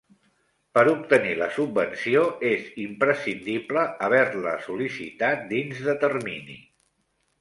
Per obtenir la subvenció és imprescindible haver-la sol·licitat dins de termini.